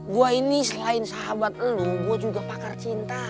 gue ini selain sahabat lo gue juga pakar cinta